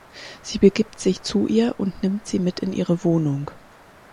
Sie begibt sich zu ihr und nimmt sie mit in ihre Wohnung.